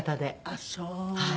あっそう。